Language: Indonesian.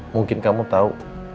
mungkin kamu tau